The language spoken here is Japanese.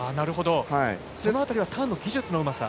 その辺りはターンの技術のうまさ？